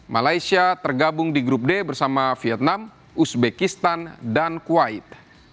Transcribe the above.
malaysia tergabung di grup d bersama vietnam uzbekistan dan kuwait